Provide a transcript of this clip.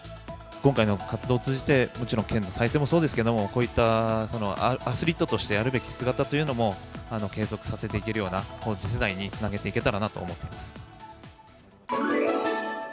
今回の活動を通じて、もちろん剣の再生もそうですけれども、こういったアスリートとしてあるべき姿というのも、継続させていけるような、次世代につなげていけたらなと思っています。